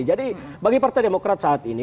jadi bagi partai demokrat saat ini